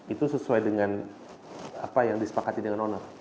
itu sesuai dengan apa yang disepakati dengan onar